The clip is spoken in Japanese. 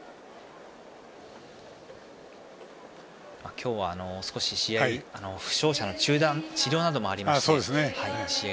今日は試合、負傷者の中断治療などがありまして試合